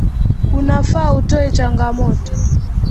Inafaa utoe changamoto